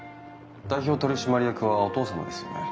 代表取締役はお父様ですよね？